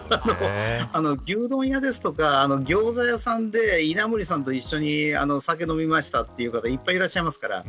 牛丼屋ですとかギョーザ屋さんで稲盛さんと一緒に酒飲みましたという方いっぱいいらっしゃいます。